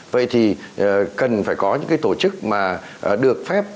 vậy thì cần phải có những cái tổ chức mà được phép